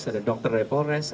ada dokter dari polres